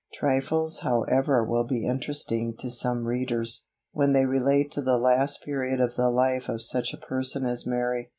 Trifles however will be interesting to some readers, when they relate to the last period of the life of such a person as Mary.